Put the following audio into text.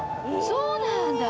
そうなんだ！